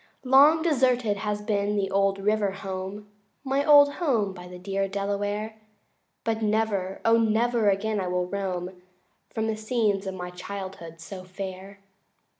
IV Long deserted has been the old river home, My old home by the dear Delaware, But never, O never again will I roam From the scenes of my childhood so fair.